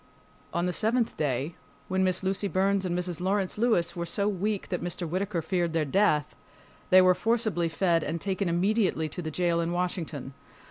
On the seventh day, when Miss Lucy Burns and Mrs. Lawrence Lewis were so weak that Mr. Whittaker feared their death, they were forcibly fed and taken immediately to the jail in Washington.